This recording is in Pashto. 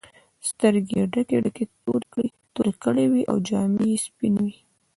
سترګې یې ډکې ډکې تورې کړې وې او جامې یې سپینې وې.